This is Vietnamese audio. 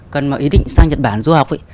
cần mà ý định sang nhật bản du học ấy